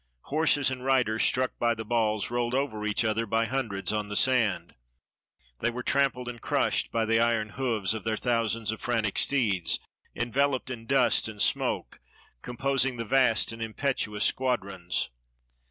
Horses and riders, struck by the balls, rolled over each other by hundreds on the sand. They were trampled and crushed by the iron hoofs of the thousands of frantic steeds, enveloped in dust and smoke, composing the vast and impetuous squadrons.